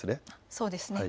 そうです。